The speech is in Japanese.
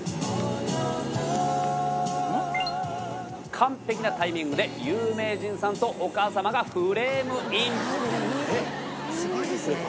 完璧なタイミングで有名人さんとお母様がフレームイン。